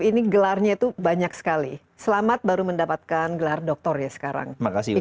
ini gelarnya itu banyak sekali selamat baru mendapatkan gelar doktor ya sekarang